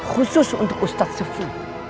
khusus untuk ustadz sefu